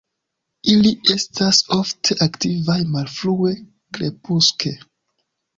Ili estas ofte aktivaj malfrue krepuske.